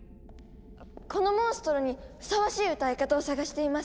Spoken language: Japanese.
このモンストロにふさわしい歌い方を探しています。